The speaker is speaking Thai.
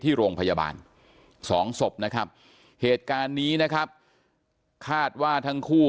ที่โรงพยาบาลสองศพนะครับเหตุการณ์นี้นะครับคาดว่าทั้งคู่